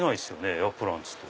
エアプランツと。